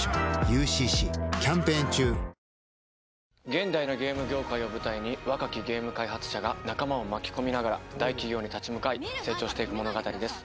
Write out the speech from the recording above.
現代のゲーム業界を舞台に若きゲーム開発者が仲間を巻き込みながら大企業に立ち向かい成長していく物語です